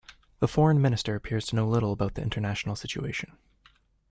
The foreign minister appears to know little about the international situation.